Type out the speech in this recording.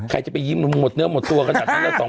ใครจะไปยิ้มหมดเนื้อหมดตัวขนาดนั้นแล้ว๒๐๐๐ล้าน